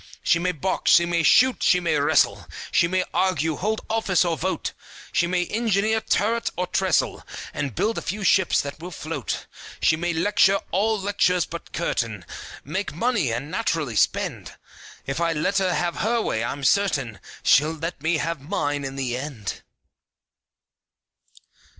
She may box, she may shoot, she may wrestle, She may argue, hold office or vote, She may engineer turret or trestle, And build a few ships that will float. She may lecture (all lectures but curtain) Make money, and naturally spend, If I let her have her way, I'm certain She'll let me have mine in the end!